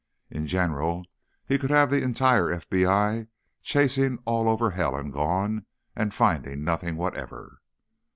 In general, he could have the entire FBI chasing all over hell and gone—and finding nothing whatever.